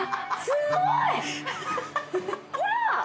すごい！